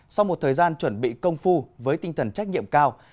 sau một thời gian chuẩn bị công phu với tinh thần trách nhiệm cao